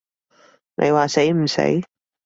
你話死唔死？